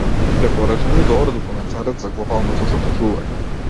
Препорачај ми добар документарец за глобалното затоплување.